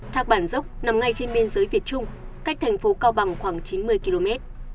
thác bản dốc nằm ngay trên biên giới việt trung cách thành phố cao bằng khoảng chín mươi km